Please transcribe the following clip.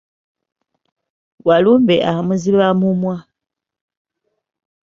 Walumbe amuziba mumwa.